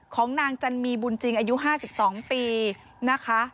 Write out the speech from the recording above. ของนางจันมีบุญจริงอายุ๕๒ปีนะคะ